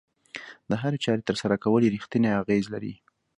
د هرې چارې ترسره کول يې رېښتینی اغېز لري.